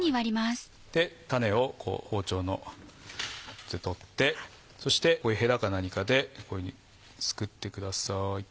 種をこう包丁ので取ってそしてこういうヘラか何かでこういうふうにすくってください。